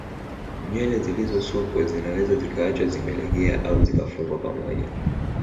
Nywele zilizosukwa zinaweza zikaachwa zimelegea au zikafungwa pamoja